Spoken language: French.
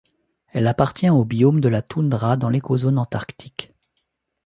Elle appartient au biome de la toundra dans l'écozone antarctique.